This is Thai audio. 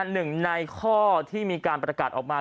หนึ่งในข้อที่มีการประกาศออกมา